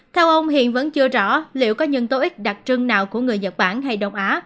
theo ông hiện vẫn chưa rõ liệu có nhân tố ích đặc trưng nào của người nhật bản hay đông á